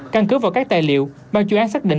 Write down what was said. căn cứ vào các tài liệu ban chuyên án xác định